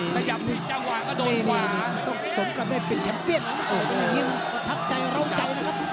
ขยับผิดจำวาจก็โดนขวา